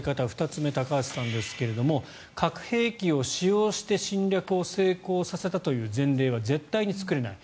２つ目、高橋さんですが核兵器を使用して侵略を成功させたという前例は絶対に作れない。